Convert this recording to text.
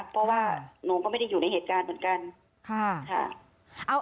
เพราะว่าหนูก็ไม่ได้อยู่ในเหตุการณ์เหมือนกัน